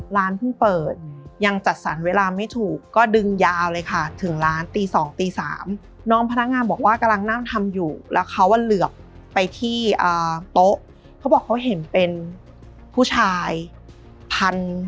ร้านเพิ่งเปิดยังจัดสรรเวลาไม่ถูกก็ดึงยาวเลยค่ะถึงร้านตีสองตีสามน้องพนักงานบอกว่ากำลังนั่งทำอยู่แล้วเขาอ่ะเหลือบไปที่โต๊ะเขาบอกเขาเห็นเป็นผู้ชายพัน